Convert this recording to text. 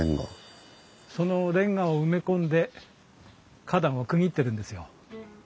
そのレンガを埋め込んで花壇を区切ってるんですよ。